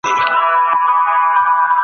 شعور د بېسوادۍ تر جذبو زيات کارول کېږي.